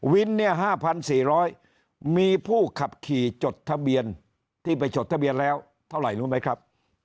วินเนี่ย๕๔๐๐มีผู้ขับขี่จดทะเบียนที่ไปจดทะเบียนแล้วเท่าไหร่รู้ไหมครับ